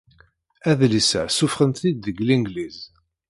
Adlis-a ssuffɣen-t-id deg Langliz.